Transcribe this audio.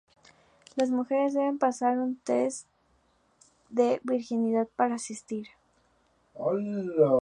Las mujeres deben pasar un test de virginidad para asistir.